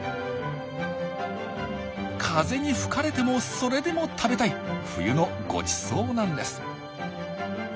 風に吹かれてもそれでも食べたい冬のごちそうなんです。